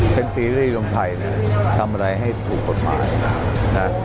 เป็นซีรีส์ลมไทยนะทำอะไรให้ถูกกฎหมายนะ